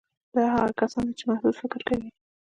دا هغه کسان دي چې محدود فکر کوي